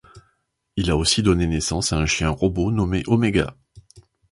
Il a aussi donné naissance à un chien-robot nommé Oméga.